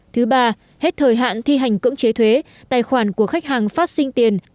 thứ ba hết thời hạn thi hành cưỡng chế thuế tài khoản của khách hàng phát sinh tiền